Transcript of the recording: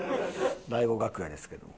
大悟楽屋ですけども。